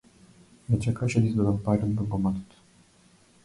Ме чекаше да извадам пари од банкоматот.